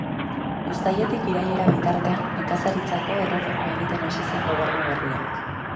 Uztailetik irailera bitartean, nekazaritzako erreforma egiten hasi zen gobernu berria.